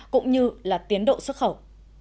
cũng như là tiến độ xuất khẩu